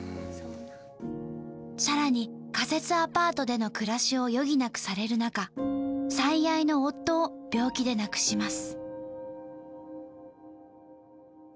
さらに仮設アパートでの暮らしを余儀なくされる中最愛の夫を病気で亡くします。